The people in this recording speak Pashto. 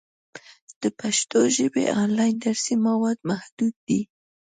د پښتو ژبې آنلاین درسي مواد محدود دي.